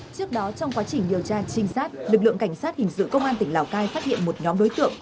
trước đó trong quá trình điều tra trinh sát lực lượng cảnh sát hình sự công an tỉnh lào cai phát hiện một nhóm đối tượng